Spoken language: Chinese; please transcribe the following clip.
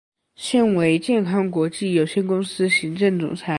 现为健康国际有限公司行政总裁。